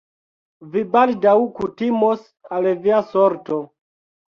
Vi baldaŭ kutimos al via sorto...